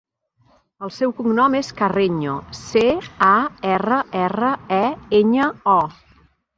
El seu cognom és Carreño: ce, a, erra, erra, e, enya, o.